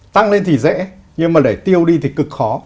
tăng lên thì dễ nhưng mà để tiêu đi thì cực khó